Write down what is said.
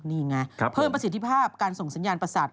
นี่ไงเพิ่มประสิทธิภาพการส่งสัญญาณประสาท